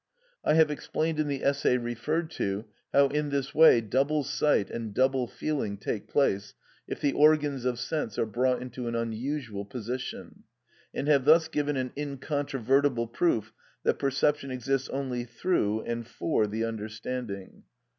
I have explained in the essay referred to, how in this way double sight and double feeling take place if the organs of sense are brought into an unusual position; and have thus given an incontrovertible proof that perception exists only through and for the understanding.